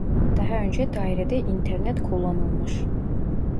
Daha önce dairede internet kullanılmış